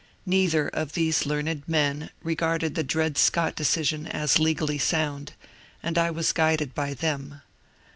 Neither of these learned men regarded the Dred Scott decision as legally sound, and I was guided by them.